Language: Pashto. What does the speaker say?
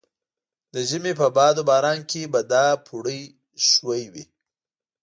د ژمي په باد و باران کې به دا پوړۍ ښویې وې.